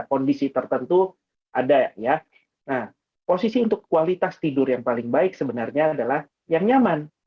kondisi tertentu ada ya nah posisi untuk kualitas tidur yang paling baik sebenarnya adalah yang nyaman